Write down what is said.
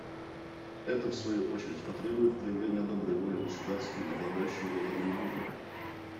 Это, в свою очередь, потребует проявления доброй воли государствами, обладающими ядерным оружием.